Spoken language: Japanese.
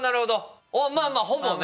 まあまあほぼね。